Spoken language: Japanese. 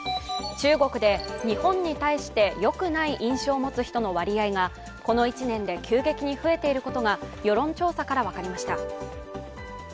中国で日本に対してよくない印象を持つ人の割合がこの１年で急激に増えていることが世論調査から分かりました。